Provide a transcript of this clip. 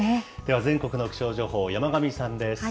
では全国の気象情報、山神さんです。